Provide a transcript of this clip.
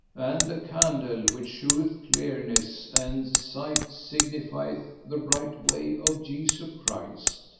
And the candle which sheweth clearness and sight signifieth the right way of Jesu Christ.